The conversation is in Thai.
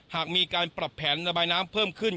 หากมีการปรับแผนระบายน้ำเพิ่มขึ้น